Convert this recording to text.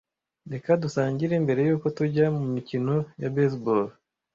Reka dusangire mbere yuko tujya mumikino ya baseball.